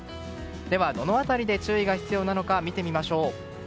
では、どの辺りで注意が必要なのか見ていきましょう。